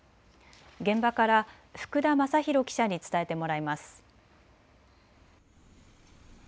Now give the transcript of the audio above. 現場から福田征洋記者に伝えてもらいます。